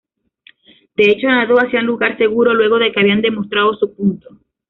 De hecho nadó hacia un lugar seguro luego de que había demostrado su punto.